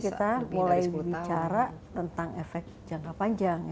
kita mulai bicara tentang efek jangka panjang